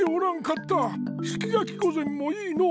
すき焼き御膳もいいのう。